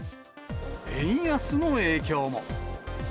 円安の影響も。